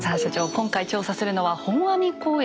今回調査するのは「本阿弥光悦」。